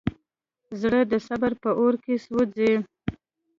زړه د صبر په اور کې سوځي.